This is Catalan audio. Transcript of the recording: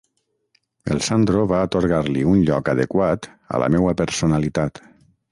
El Sandro va atorgar-li un lloc adequat a la meua personalitat.